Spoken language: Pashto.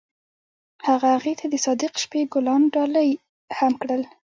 هغه هغې ته د صادق شپه ګلان ډالۍ هم کړل.